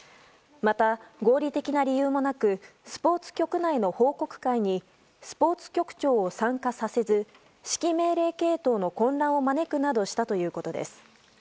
また、合理的な理由もなくスポーツ局内の報告会にスポーツ局長を参加させず指揮命令系統の混乱を招くなどしたということです。